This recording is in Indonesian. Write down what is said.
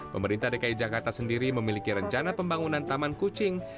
pemerintah dki jakarta sendiri memiliki rencana pembangunan taman kucing